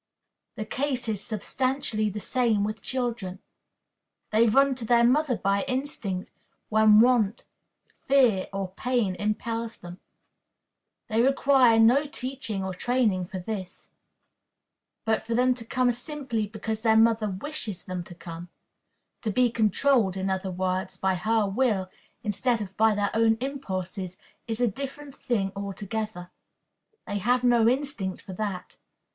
The case is substantially the same with children. They run to their mother by instinct, when want, fear, or pain impels them. They require no teaching or training for this. But for them to come simply because their mother wishes them to come to be controlled, in other words, by her will, instead of by their own impulses, is a different thing altogether. They have no instinct for that.